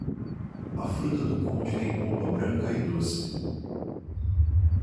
A fruta-do-conde tem polpa branca e doce.